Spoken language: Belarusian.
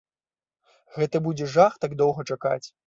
Гэта будзе жах так доўга чакаць.